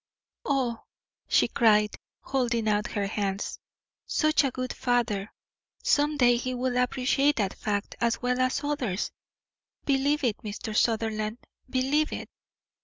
"Oh," she cried, holding out her hands, "such a good father! Some day he will appreciate that fact as well as others. Believe it, Mr. Sutherland, believe it."